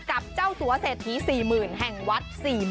กับเจ้าสัวเศรษฐี๔๐๐๐แห่งวัด๔๐๐๐